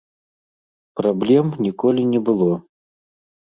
Праблем ніколі не было.